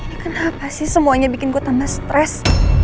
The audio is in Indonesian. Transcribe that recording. ini kenapa sih semuanya bikin gue tambah stres